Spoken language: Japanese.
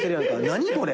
何これ？